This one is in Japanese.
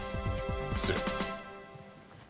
失礼。